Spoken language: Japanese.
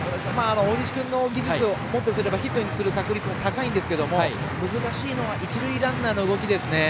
大西君の技術を持ってすればヒットにすることはできるでしょうけど難しいのは一塁ランナーの動きです。